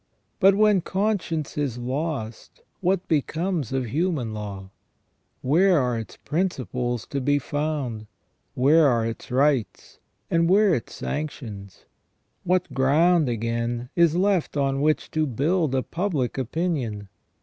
But when conscience is lost what becomes of human law ? Where are its principles to be found ? Where are its rights ? And where its sanctions? What ground, again, is left on which to build a public opinion?